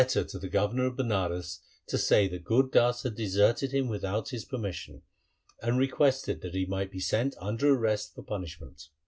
LIFE OF GURU HAR GOBIND 137 to the governor of Banaras to say that Gur Das had deserted him without his permission, and requested that he might be sent under arrest for punishment.